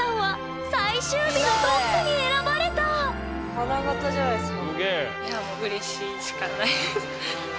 花形じゃないですか。